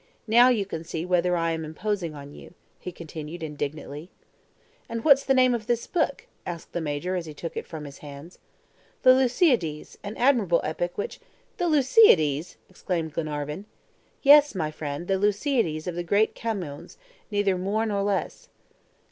"Now you can see whether I am imposing on you," he continued, indignantly. "And what's the name of this book?" asked the Major, as he took it from his hand. "The LUSIADES, an admirable epic, which " "The LUSIADES!" exclaimed Glenarvan. "Yes, my friend, the LUSIADES of the great Camoens, neither more nor less."